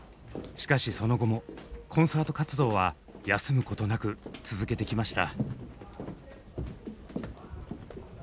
しかしその後もコンサート活動は休むことなく続けてきました。